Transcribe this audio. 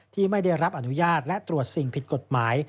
ที่ไม่ได้รับอนุญาตและตรวจสิ่งผิดกฎหมาย